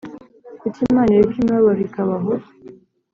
Kuki Imana ireka imibabaro ikabaho?